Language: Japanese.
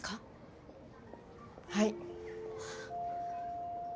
はい。